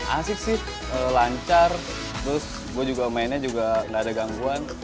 asik sih lancar terus gue juga mainnya juga nggak ada gangguan